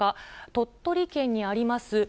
鳥取県にあります